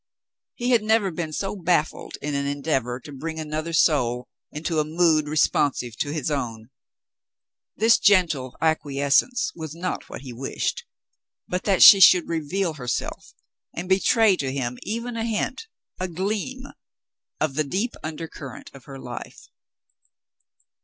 He had never been so baffled in an endeavor to bring another soul into a mood responsive to his own. This gentle acquiescence w as not what he wished, but that she should reveal herself and betray to him even a hint — a gleam — of the deep undercurrent of her life.